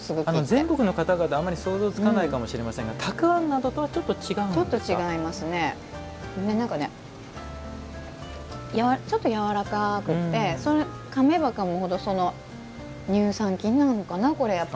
全国の方々、あまり想像できないかもしれませんがたくあんなどとはちょっと違うんですかちょっとやわらかくてかめばかむほど乳酸菌なのかな？